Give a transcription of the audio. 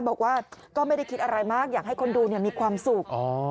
บอกว่าก็ไม่ได้คิดอะไรมากอยากให้คนดูมีความสุข